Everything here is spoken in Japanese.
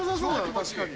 確かに。